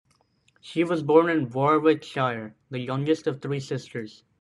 She was born in Warwickshire, the youngest of three sisters.